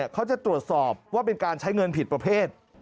เขาจะตรวจสอบว่าเป็นการใช้เงินผิดประเภท